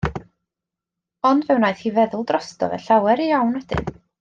Ond fe wnaeth hi feddwl drosto fe llawer iawn wedyn.